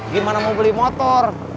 gimana mau beli motor